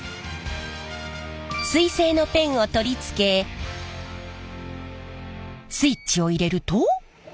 水性のペンを取り付けスイッチを入れると。